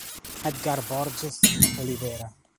Edgar Borges Olivera